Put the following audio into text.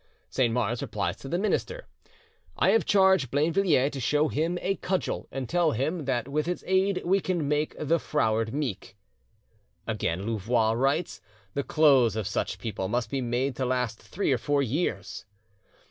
Saint Mars replies to the minister: "I have charged Blainvilliers to show him a cudgel and tell him that with its aid we can make the froward meek." Again Louvois writes: "The clothes of such people must be made to last three or four years."